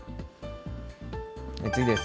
次です。